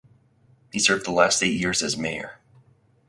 He served the last eight years as mayor.